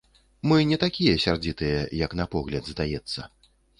Мы не такія сярдзітыя, як на погляд здаецца.